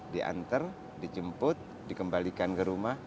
diantar dijemput dikembalikan ke rumah